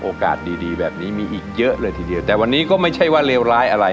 โอกาสดีดีแบบนี้มีอีกเยอะเลยทีเดียวแต่วันนี้ก็ไม่ใช่ว่าเลวร้ายอะไร